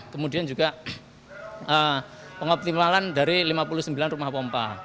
kemudian juga pengoptimalan dari lima puluh sembilan rumah pompa